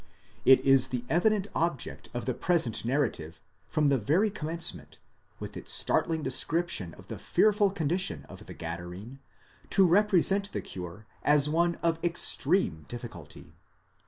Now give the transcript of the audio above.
It is the evident object of the present narrative, from the very commencement, with its startling description of the fearful condition of the Gadarene, to represent the cure as one of extreme difficulty.